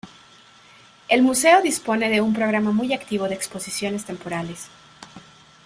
El museo dispone de un programa muy activo de exposiciones temporales.